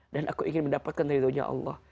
dan aku ingin mendapatkan diri dunia allah